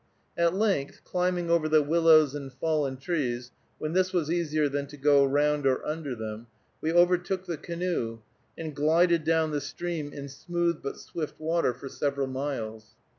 At length, climbing over the willows and fallen trees, when this was easier than to go round or under them, we overtook the canoe, and glided down the stream in smooth but swift water for several miles.